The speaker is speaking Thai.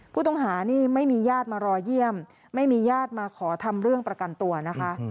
ผู้ต้องหานี่ไม่มีญาติมารอเยี่ยมไม่มีญาติมาขอทำเรื่องประกันตัวนะคะ